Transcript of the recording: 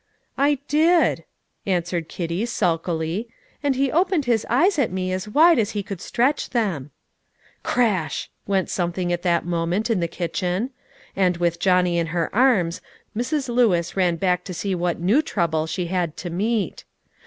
"I did," answered Kitty sulkily; "and he opened his eyes at me as wide as he could stretch them." Crash! went something at that moment in the kitchen; and, with Johnny in her arms, Mrs. Lewis ran back to see what new trouble she had to meet.